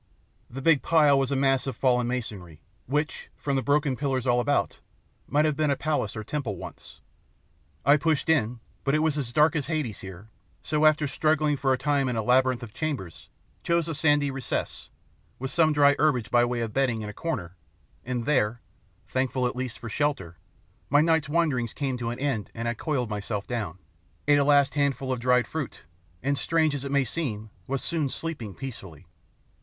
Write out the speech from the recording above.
The big pile was a mass of fallen masonry, which, from the broken pillars all about, might have been a palace or temple once. I pushed in, but it was as dark as Hades here, so, after struggling for a time in a labyrinth of chambers, chose a sandy recess, with some dry herbage by way of bedding in a corner, and there, thankful at least for shelter, my night's wanderings came to an end and I coiled myself down, ate a last handful of dry fruit, and, strange as it may seem, was soon sleeping peacefully.